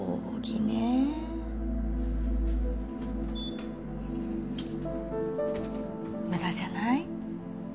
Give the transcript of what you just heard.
ピッ無駄じゃない？